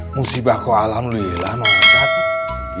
musibahku alhamdulillah pak ustadz